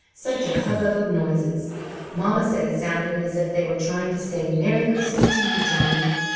Such a hubbub of noises! Mamma said it sounded as if they were trying to say "Merry Christmas to you, Johnny!